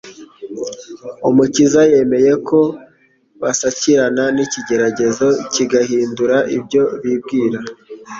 Umukiza yemeye ko basakirana n'ikigeragezo kigahindura ibyo bibwira.